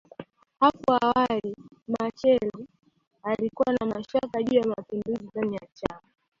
Hapo awali Machel alikuwa na mashaka juu ya mapinduzi ndani ya chama